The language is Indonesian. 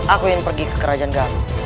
aku ingin pergi ke kerajaan garu